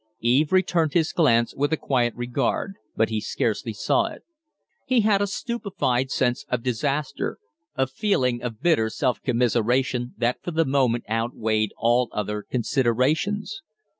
Eve returned his glance with a quiet regard, but he scarcely saw it. He had a stupefied sense of disaster; a feeling of bitter self commiseration that for the moment outweighed all other considerations.